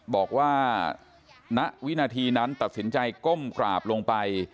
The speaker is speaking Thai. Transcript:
บอกว่าณวินาทีนั้นตัดสินใจก้มกราบลงไป